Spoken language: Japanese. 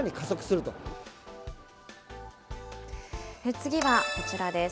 次はこちらです。